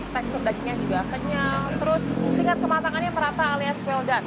tekstur dagingnya juga kenyal terus tingkat kematangannya merata alias vel dut